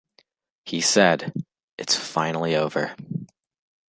He said, It's finally over.